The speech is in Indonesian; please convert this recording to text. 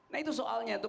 nah itu soalnya itu